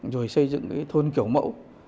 rồi xây dựng cái thôn kiểu